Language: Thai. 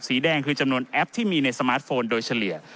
สีแดงคือจำนวนแอปที่มีในสมาร์ทโฟนโดยเฉลี่ย